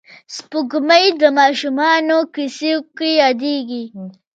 سپوږمۍ د ماشومانو کیسو کې یادېږي